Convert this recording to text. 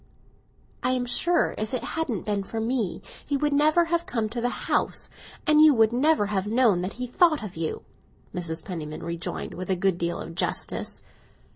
"I am sure if it hadn't been for me he would never have come to the house, and you would never have known what he thought of you," Mrs. Penniman rejoined, with a good deal of justice.